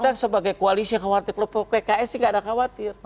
kita sebagai koalisi khawatir pks sih gak ada khawatir